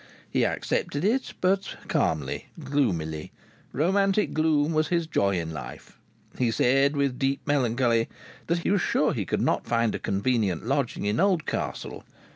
He accepted it, but calmly, gloomily. Romantic gloom was his joy in life. He said with deep melancholy that he was sure he could not find a convenient lodging in Oldcastle.